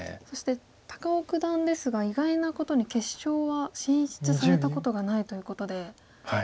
そして高尾九段ですが意外なことに決勝は進出されたことがないということで。